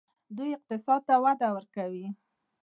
دوی اقتصاد ته وده ورکوي.